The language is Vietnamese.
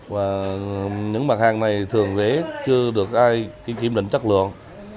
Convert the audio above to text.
và những mặt hàng này thường dễ chưa được ai kiểm định chất lượng